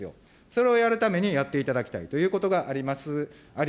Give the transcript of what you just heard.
それをやるためにやっていただきたいということがあります。